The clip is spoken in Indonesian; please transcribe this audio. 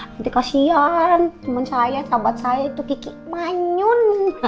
nanti kasihan temen saya sahabat saya itu kiki manyun